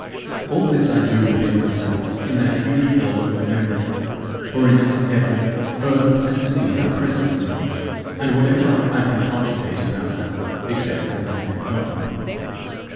14. All this I do within myself, in that huge hall of my memory. For in it, heaven, earth, and sea are present to me, and whatever I can cogitate about them except what I have forgotten.